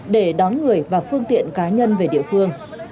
để đón người và phương tiện cá nhân về địa phương